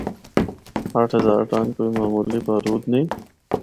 اٹھ ہزار ٹن کوئی معمولی بارود نیں۔